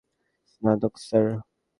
স্থানাঙ্ক, স্যার।